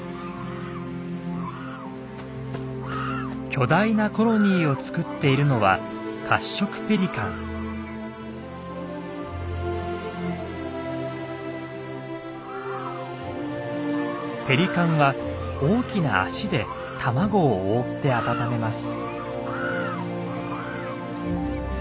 巨大なコロニーを作っているのはペリカンは大きな足で卵を覆って温めます。